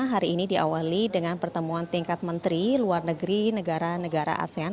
hari ini diawali dengan pertemuan tingkat menteri luar negeri negara negara asean